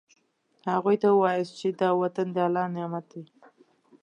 هغوی ته ووایاست چې دا وطن د الله نعمت دی.